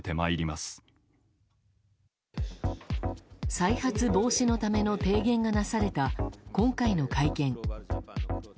再発防止のための提言がなされた今回の会見。